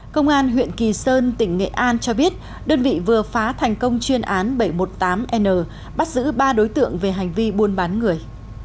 công an huyện kỳ sơn tỉnh nghệ an cho biết đơn vị vừa phá thành công chuyên án bảy trăm một mươi tám n bắt giữ ba đối tượng về hành vi buôn bán người